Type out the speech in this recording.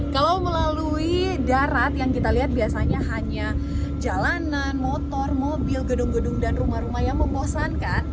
kalau melalui darat yang kita lihat biasanya hanya jalanan motor mobil gedung gedung dan rumah rumah yang membosankan